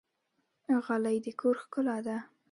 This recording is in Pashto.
غالۍ د کور ښکلا ده